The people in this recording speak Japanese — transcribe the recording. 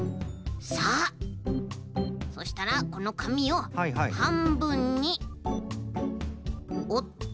さあそしたらこのかみをはんぶんにおって。